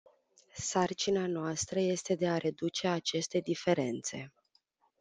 Sarcina noastră este de a reduce aceste diferențe.